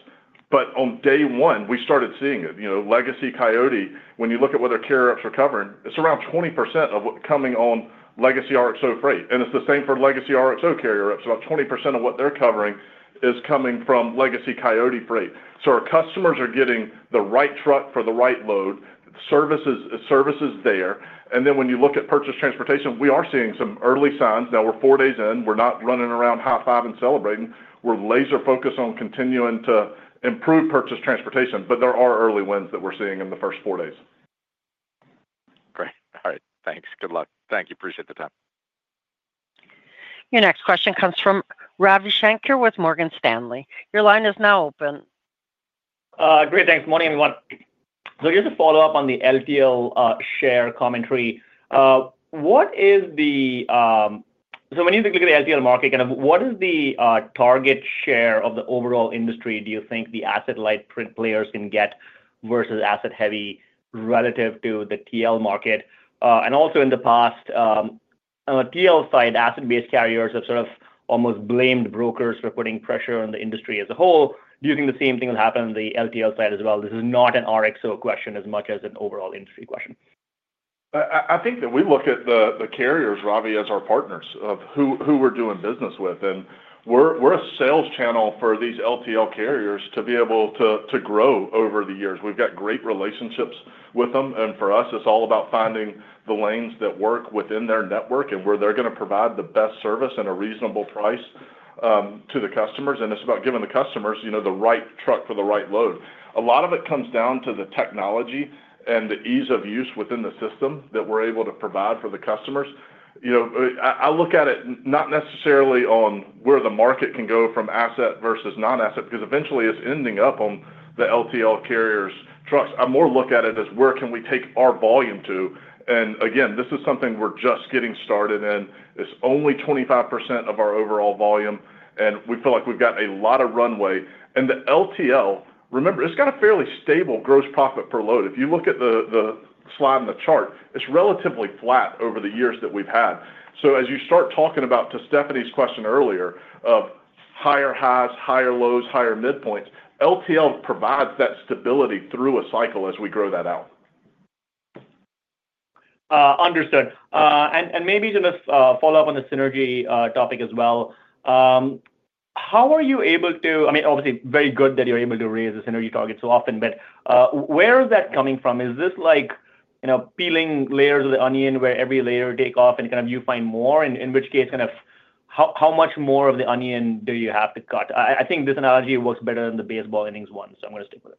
On day one, we started seeing it. You know, Legacy Coyote, when you look at whether carrier reps are covering, it is around 20% of what is coming on Legacy RXO freight. It is the same for Legacy RXO carrier reps. About 20% of what they are covering is coming from Legacy Coyote freight. Our customers are getting the right truck for the right load. Service is there. When you look at purchased transportation, we are seeing some early signs. Now we're four days in. We're not running around high-fiving and celebrating. We're laser-focused on continuing to improve purchased transportation, but there are early wins that we're seeing in the first four days. Great. All right. Thanks. Good luck. Thank you. Appreciate the time. Your next question comes from Ravi Shankar with Morgan Stanley. Your line is now open. Great. Thanks. Morning, everyone. Just a follow-up on the LTL share commentary. What is the, when you look at the LTL market, kind of what is the target share of the overall industry do you think the asset-light players can get versus asset-heavy relative to the TL market? Also, in the past, TL side, asset-based carriers have sort of almost blamed brokers for putting pressure on the industry as a whole. Do you think the same thing will happen on the LTL side as well? This is not an RXO question as much as an overall industry question. I think that we look at the carriers, Ravi, as our partners of who we're doing business with. We're a sales channel for these LTL carriers to be able to grow over the years. We've got great relationships with them. For us, it's all about finding the lanes that work within their network and where they're going to provide the best service at a reasonable price to the customers. It's about giving the customers, you know, the right truck for the right load. A lot of it comes down to the technology and the ease of use within the system that we're able to provide for the customers. You know, I look at it not necessarily on where the market can go from asset versus non-asset because eventually it's ending up on the LTL carriers' trucks. I more look at it as where can we take our volume to. Again, this is something we're just getting started in. It's only 25% of our overall volume, and we feel like we've got a lot of runway. The LTL, remember, it's got a fairly stable gross profit per load. If you look at the slide in the chart, it's relatively flat over the years that we've had. As you start talking about, to Stephanie's question earlier, higher highs, higher lows, higher midpoints, LTL provides that stability through a cycle as we grow that out. Understood. Maybe just a follow-up on the synergy topic as well. How are you able to, I mean, obviously very good that you're able to raise the synergy target so often, but where is that coming from? Is this like, you know, peeling layers of the onion where every layer takes off and kind of you find more? In which case, kind of how much more of the onion do you have to cut? I think this analogy works better than the baseball innings one, so I'm going to stick with it.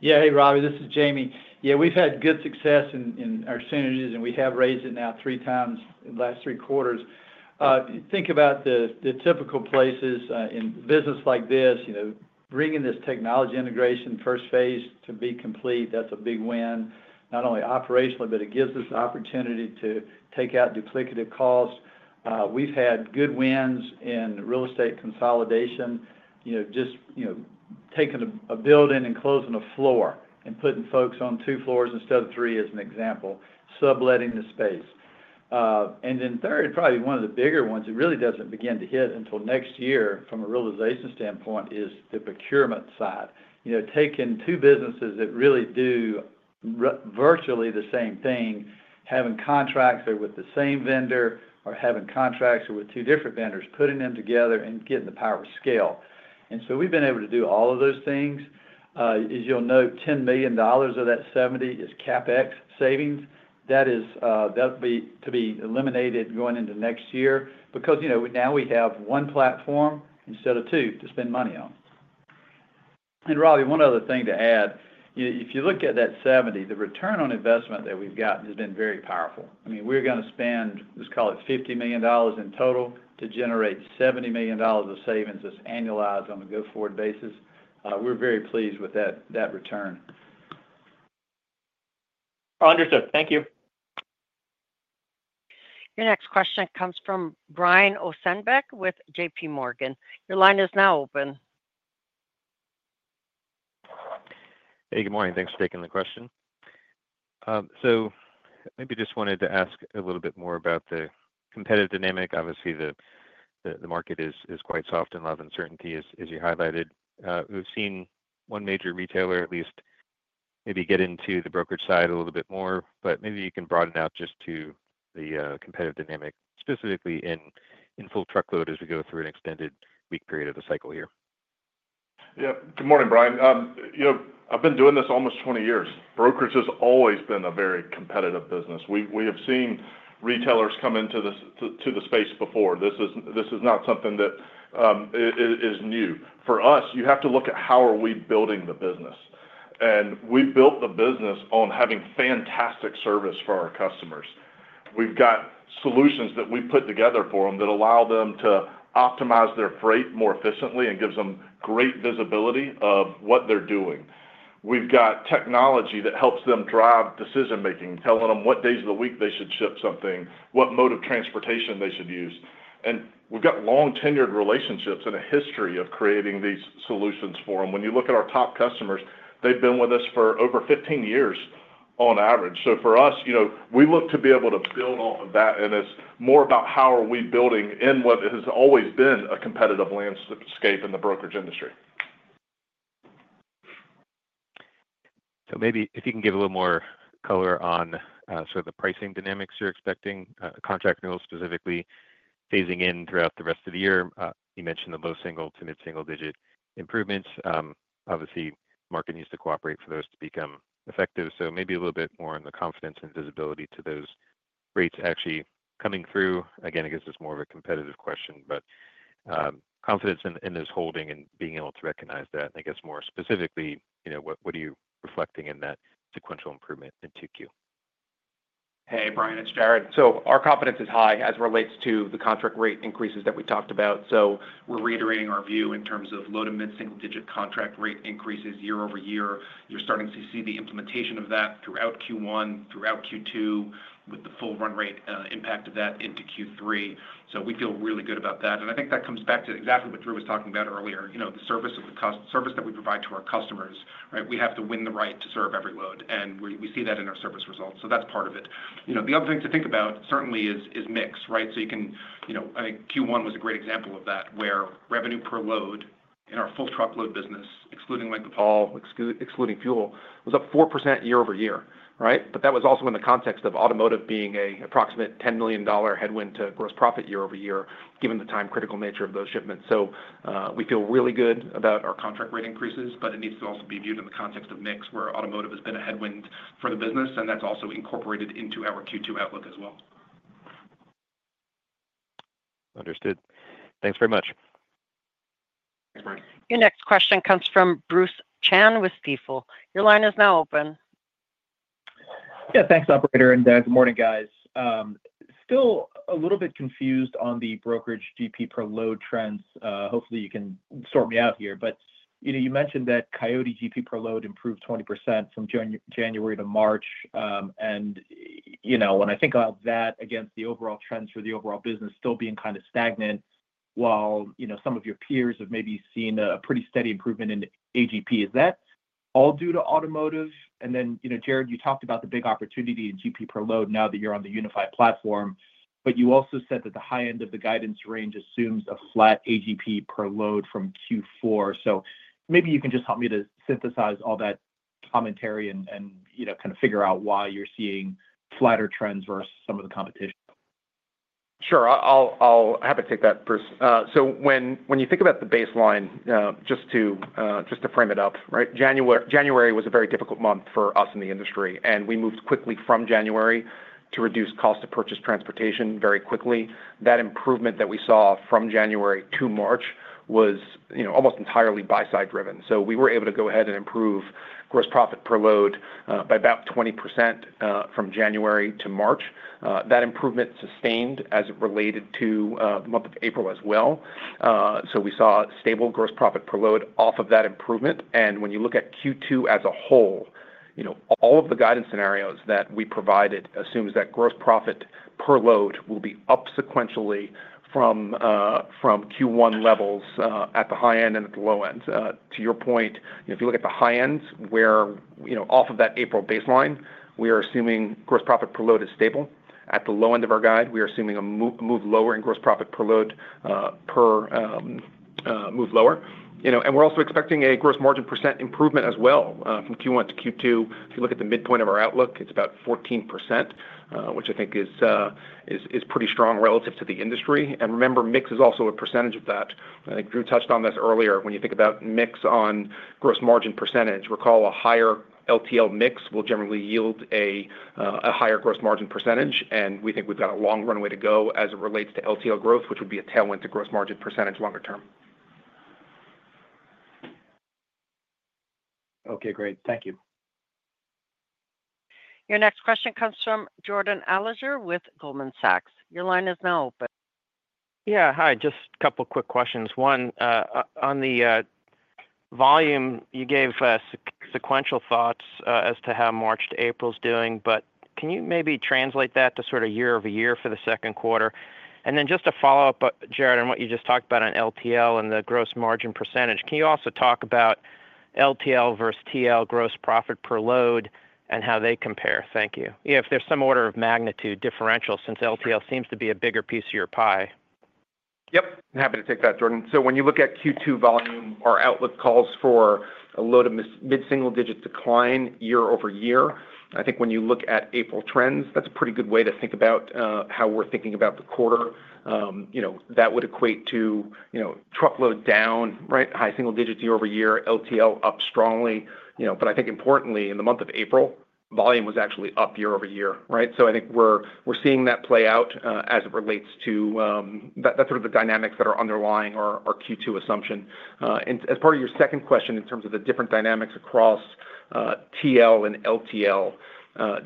Yeah. Hey, Ravi. This is Jamie. Yeah, we've had good success in our synergies, and we have raised it now three times in the last three quarters. Think about the typical places in business like this, you know, bringing this technology integration first phase to be complete. That's a big win. Not only operationally, but it gives us the opportunity to take out duplicative costs. We've had good wins in real estate consolidation, you know, just, you know, taking a building and closing a floor and putting folks on two floors instead of three as an example, subletting the space. And then third, probably one of the bigger ones, it really doesn't begin to hit until next year from a realization standpoint is the procurement side. You know, taking two businesses that really do virtually the same thing, having contracts with the same vendor or having contracts with two different vendors, putting them together and getting the power of scale. We've been able to do all of those things. As you'll note, $10 million of that $70 million is CapEx savings. That will be eliminated going into next year because, you know, now we have one platform instead of two to spend money on. Ravi, one other thing to add. If you look at that $70 million, the return on investment that we've gotten has been very powerful. I mean, we're going to spend, let's call it $50 million in total to generate $70 million of savings that's annualized on a go-forward basis. We're very pleased with that return. Understood. Thank you. Your next question comes from Brian Ossenbeck with J.P. Morgan. Your line is now open. Hey, good morning. Thanks for taking the question. Maybe just wanted to ask a little bit more about the competitive dynamic. Obviously, the market is quite soft and a lot of uncertainty, as you highlighted. We've seen one major retailer at least maybe get into the brokerage side a little bit more, but maybe you can broaden out just to the competitive dynamic, specifically in full truckload as we go through an extended weak period of the cycle here. Yeah. Good morning, Brian. You know, I've been doing this almost 20 years. Brokerage has always been a very competitive business. We have seen retailers come into the space before. This is not something that is new. For us, you have to look at how are we building the business. We built the business on having fantastic service for our customers. We've got solutions that we put together for them that allow them to optimize their freight more efficiently and gives them great visibility of what they're doing. We've got technology that helps them drive decision-making, telling them what days of the week they should ship something, what mode of transportation they should use. We've got long-tenured relationships and a history of creating these solutions for them. When you look at our top customers, they've been with us for over 15 years on average. For us, you know, we look to be able to build off of that, and it's more about how are we building in what has always been a competitive landscape in the brokerage industry. Maybe if you can give a little more color on sort of the pricing dynamics you're expecting, contract renewals specifically phasing in throughout the rest of the year. You mentioned the low single to mid-single digit improvements. Obviously, the market needs to cooperate for those to become effective. Maybe a little bit more on the confidence and visibility to those rates actually coming through. Again, I guess it's more of a competitive question, but confidence in those holding and being able to recognize that. I guess more specifically, you know, what are you reflecting in that sequential improvement in Q2? Hey, Brian. It's Jared. Our confidence is high as it relates to the contract rate increases that we talked about. We're reiterating our view in terms of low to mid-single digit contract rate increases year-over-year. You're starting to see the implementation of that throughout Q1, throughout Q2, with the full run rate impact of that into Q3. We feel really good about that. I think that comes back to exactly what Drew was talking about earlier. You know, the service that we provide to our customers, right, we have to win the right to serve every load. We see that in our service results. That's part of it. The other thing to think about certainly is mix, right? You can, you know, I think Q1 was a great example of that where revenue per load in our full truckload business, excluding length of haul, excluding fuel, was up 4% year-over-year, right? That was also in the context of automotive being an approximate $10 million headwind to gross profit year-over-year, given the time-critical nature of those shipments. We feel really good about our contract rate increases, but it needs to also be viewed in the context of mix where automotive has been a headwind for the business, and that's also incorporated into our Q2 outlook as well. Understood. Thanks very much. Thanks, Brian. Your next question comes from Bruce Chan with Stifel. Your line is now open. Yeah. Thanks, operator. And good morning, guys. Still a little bit confused on the brokerage GP per load trends. Hopefully, you can sort me out here. But you mentioned that Coyote GP per load improved 20% from January to March. And, you know, when I think of that against the overall trends for the overall business still being kind of stagnant while, you know, some of your peers have maybe seen a pretty steady improvement in AGP, is that all due to automotive? And then, you know, Jared, you talked about the big opportunity in GP per load now that you're on the unified platform, but you also said that the high end of the guidance range assumes a flat AGP per load from Q4. Maybe you can just help me to synthesize all that commentary and, you know, kind of figure out why you're seeing flatter trends versus some of the competition. Sure. I'll have to take that first. When you think about the baseline, just to frame it up, right, January was a very difficult month for us in the industry, and we moved quickly from January to reduce cost of purchased transportation very quickly. That improvement that we saw from January to March was, you know, almost entirely buy-side driven. We were able to go ahead and improve gross profit per load by about 20% from January to March. That improvement sustained as it related to the month of April as well. We saw stable gross profit per load off of that improvement. When you look at Q2 as a whole, you know, all of the guidance scenarios that we provided assumes that gross profit per load will be up sequentially from Q1 levels at the high end and at the low end. To your point, you know, if you look at the high ends where, you know, off of that April baseline, we are assuming gross profit per load is stable. At the low end of our guide, we are assuming a move lower in gross profit per load per move lower. You know, and we're also expecting a gross margin % improvement as well from Q1 to Q2. If you look at the midpoint of our outlook, it's about 14%, which I think is pretty strong relative to the industry. And remember, mix is also a percentage of that. I think Drew touched on this earlier. When you think about mix on gross margin %, recall a higher LTL mix will generally yield a higher gross margin %. We think we've got a long runway to go as it relates to LTL growth, which would be a tailwind to gross margin percentage longer term. Okay. Great. Thank you. Your next question comes from Jordan Alliger with Goldman Sachs. Your line is now open. Yeah. Hi. Just a couple of quick questions. One, on the volume, you gave sequential thoughts as to how March to April is doing, but can you maybe translate that to sort of year-over-year for the second quarter? And then just to follow up, Jared, on what you just talked about on LTL and the gross margin percentage, can you also talk about LTL versus TL gross profit per load and how they compare? Thank you. Yeah, if there's some order of magnitude differential since LTL seems to be a bigger piece of your pie. Yep. Happy to take that, Jordan. When you look at Q2 volume or outlook calls for a low to mid-single digit decline year-over-year, I think when you look at April trends, that is a pretty good way to think about how we are thinking about the quarter. That would equate to, you know, truckload down, right? High single digit year-over-year, LTL up strongly. I think importantly, in the month of April, volume was actually up year-over-year, right? I think we are seeing that play out as it relates to that is sort of the dynamics that are underlying our Q2 assumption. As part of your second question in terms of the different dynamics across TL and LTL,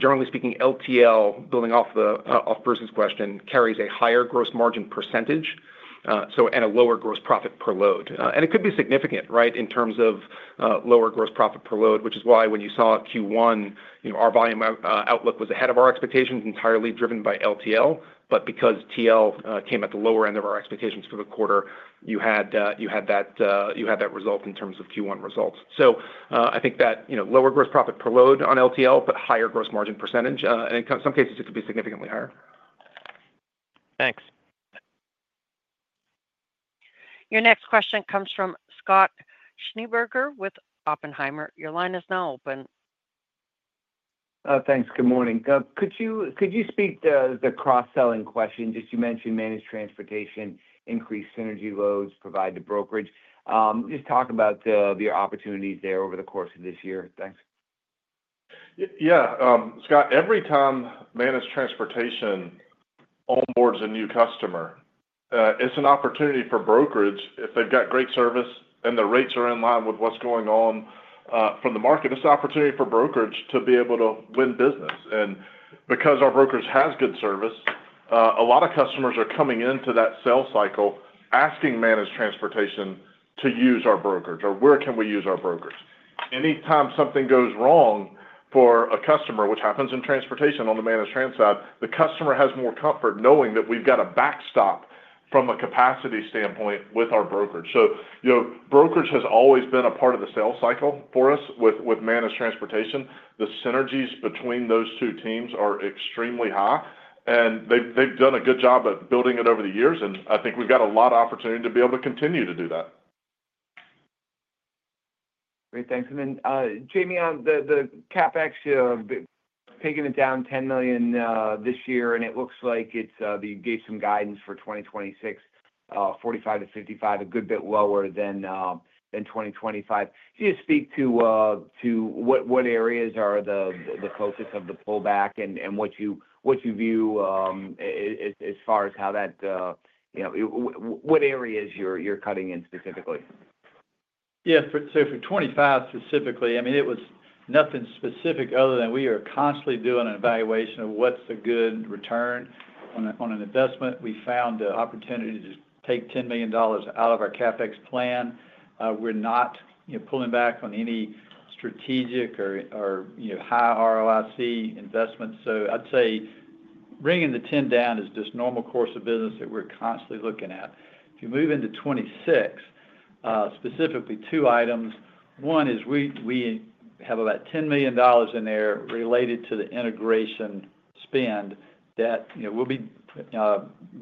generally speaking, LTL, building off of Bruce's question, carries a higher gross margin percentage, and a lower gross profit per load. It could be significant, right, in terms of lower gross profit per load, which is why when you saw Q1, you know, our volume outlook was ahead of our expectations, entirely driven by LTL. Because TL came at the lower end of our expectations for the quarter, you had that result in terms of Q1 results. I think that, you know, lower gross profit per load on LTL, but higher gross margin percentage. In some cases, it could be significantly higher. Thanks. Your next question comes from Scott Schneeberger with Oppenheimer. Your line is now open. Thanks. Good morning. Could you speak to the cross-selling question? Just you mentioned managed transportation increase synergy loads provide to brokerage. Just talk about the opportunities there over the course of this year. Thanks. Yeah. Scott, every time managed transportation onboards a new customer, it's an opportunity for brokerage. If they've got great service and the rates are in line with what's going on from the market, it's an opportunity for brokerage to be able to win business. Because our brokerage has good service, a lot of customers are coming into that sell cycle asking managed transportation to use our brokerage or where can we use our brokerage. Anytime something goes wrong for a customer, which happens in transportation on the managed trans side, the customer has more comfort knowing that we've got a backstop from a capacity standpoint with our brokerage. You know, brokerage has always been a part of the sell cycle for us with managed transportation. The synergies between those two teams are extremely high, and they've done a good job at building it over the years. I think we've got a lot of opportunity to be able to continue to do that. Great. Thanks. Jamie, on the CapEx, you're taking it down $10 million this year, and it looks like you gave some guidance for 2026, $45-$55 million, a good bit lower than 2025. Can you speak to what areas are the focus of the pullback and what you view as far as how that, you know, what areas you're cutting in specifically? Yeah. For 2025 specifically, I mean, it was nothing specific other than we are constantly doing an evaluation of what's a good return on an investment. We found the opportunity to just take $10 million out of our CapEx plan. We're not, you know, pulling back on any strategic or, you know, high ROIC investments. I'd say bringing the $10 million down is just normal course of business that we're constantly looking at. If you move into 2026, specifically two items, one is we have about $10 million in there related to the integration spend that, you know, we'll be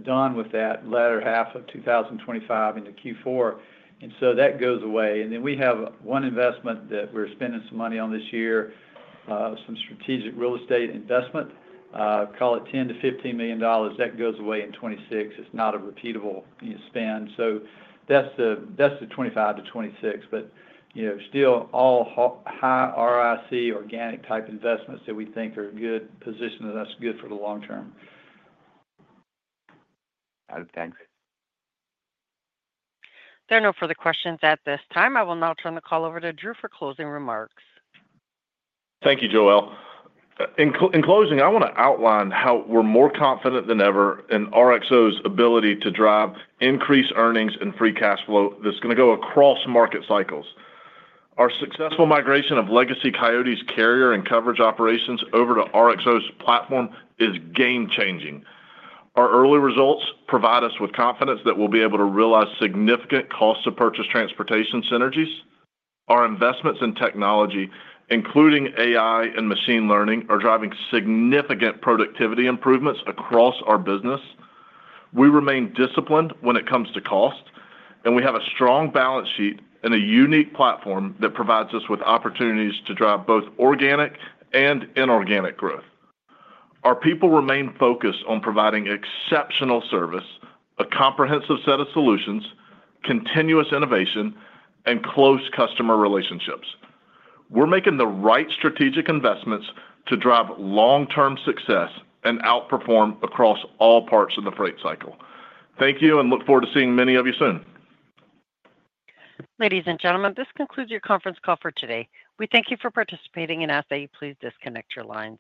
done with that latter half of 2025 into Q4. That goes away. Then we have one investment that we're spending some money on this year, some strategic real estate investment, call it $10 million-$15 million. That goes away in 2026. It's not a repeatable spend. That's the 25-26. But, you know, still all high ROIC organic type investments that we think are good positions, and that's good for the long term. Got it. Thanks. There are no further questions at this time. I will now turn the call over to Drew for closing remarks. Thank you, Joel. In closing, I want to outline how we're more confident than ever in RXO's ability to drive increased earnings and free cash flow that's going to go across market cycles. Our successful migration of legacy Coyote's carrier and coverage operations over to RXO's platform is game-changing. Our early results provide us with confidence that we'll be able to realize significant cost of purchased transportation synergies. Our investments in technology, including AI and machine learning, are driving significant productivity improvements across our business. We remain disciplined when it comes to cost, and we have a strong balance sheet and a unique platform that provides us with opportunities to drive both organic and inorganic growth. Our people remain focused on providing exceptional service, a comprehensive set of solutions, continuous innovation, and close customer relationships. We're making the right strategic investments to drive long-term success and outperform across all parts of the freight cycle. Thank you and look forward to seeing many of you soon. Ladies and gentlemen, this concludes your conference call for today. We thank you for participating, and ask that you please disconnect your lines.